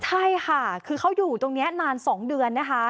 ใช่ค่ะคือเขาอยู่ตรงนี้นาน๒เดือนนะคะ